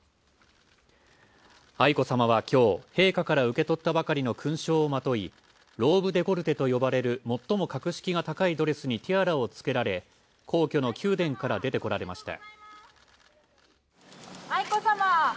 愛子さまは今日、陛下から受け取ったばかりの勲章をまといローブ・デコルテと呼ばれる最も格式が高いドレスにティアラを着けられ、皇居の宮殿から出てこられました。